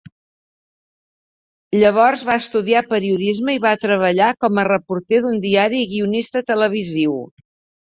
Llavors va estudiar periodisme i va treballar com a reporter d'un diari i guionista televisiu.